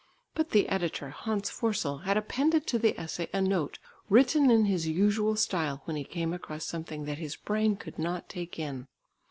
But the editor, Hans Forssell, had appended to the essay a note written in his usual style when he came across something that his brain could not take in.